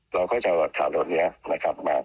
เราก็จะถามเรานี้นะครับ